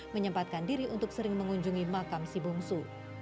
menyempatkan diri untuk sering mengunjungi makam si bungsu